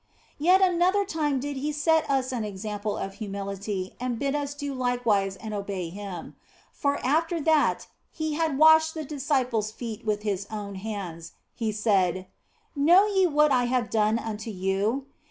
Yet another time did He set us an example of humility and bid us do likewise and obey Him. For after that He had washed the disciples feet with His own hands, He said :" Know ye what I have done unto you